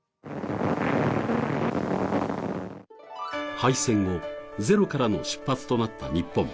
敗戦後、ゼロからの出発となった日本。